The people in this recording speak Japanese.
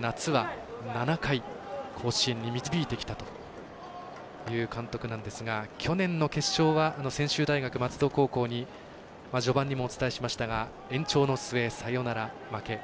夏は７回、甲子園に導いてきたという監督なんですが去年の決勝は専修大学松戸高校に序盤にもお伝えしましたが延長の末、サヨナラ負け。